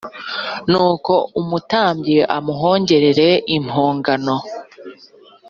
nuko umutambyi amuhongerere impongano